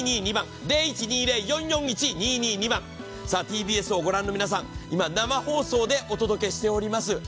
ＴＢＳを御覧の皆さん、今、生放送でお届けしております。